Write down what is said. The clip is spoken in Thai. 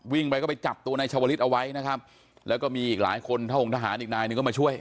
วิ่งไปก็ไปจับตัวนายชาวลิศเอาไว้นะครับแล้วก็มีอีกหลายคนทะองค์ทหารอีกนายหนึ่งก็มาช่วย